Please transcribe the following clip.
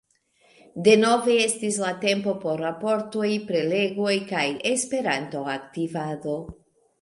Denove estis la tempo por raportoj, prelegoj kaj Esperanto-aktivado.